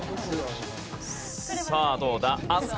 さあどうだ。